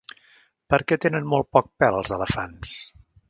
Per què tenen molt poc pèl els elefants?